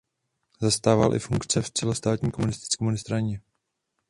Zastával i funkce v celostátní komunistické straně.